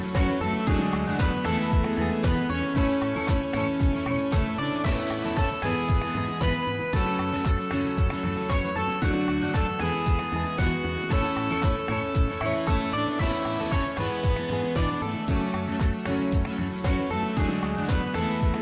สวัสดีครับ